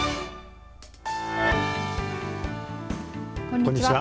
こんにちは。